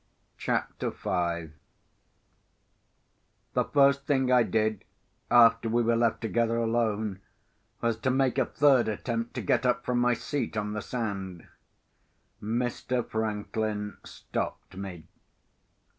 CHAPTER V The first thing I did, after we were left together alone, was to make a third attempt to get up from my seat on the sand. Mr. Franklin stopped me.